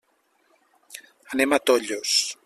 Anem a Tollos.